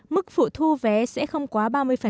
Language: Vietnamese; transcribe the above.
mức phụ thu vé sẽ không quá ba mươi